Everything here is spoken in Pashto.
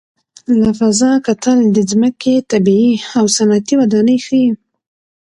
له فضا کتل د ځمکې طبیعي او صنعتي ودانۍ ښيي.